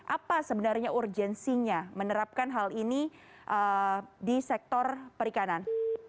apa sebenarnya urgensinya menerapkan hal ini di sektor perikanan